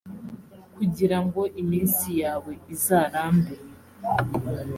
kugira ngo iminsi yawe izarambe,